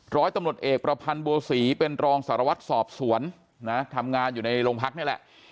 ร้อยตำรวจเอกประพันธ์บัวศรีเป็นรองสารวัตรสอบสวนนะทำงานอยู่ในโรงพักนี่แหละ